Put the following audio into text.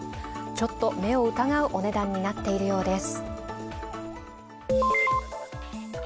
ちょっと目を疑うお値段になっているようです。